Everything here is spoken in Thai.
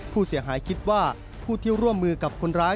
ผู้เสียหายคิดว่าผู้ที่ร่วมมือกับคนร้าย